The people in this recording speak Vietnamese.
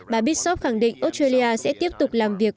bà bitsoft khẳng định australia sẽ tiếp tục làm việc